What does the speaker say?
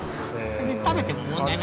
別に食べても問題ない。